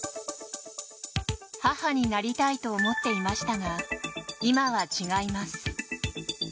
母になりたいと思っていましたが今は違います。